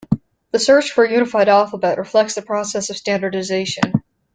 The search for a unified alphabet reflects the process of standardization.